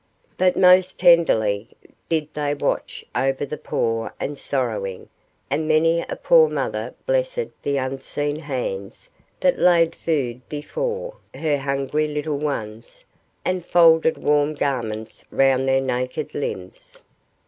But most tenderly did they watch over the poor and sorrowing, and many a poor mother blessed the unseen hands that laid food before her hungry little ones, and folded warm garments round their naked limbs.